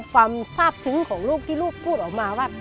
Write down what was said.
ความทราบซึ้งของลูกที่ลูกพูดออกมาว่า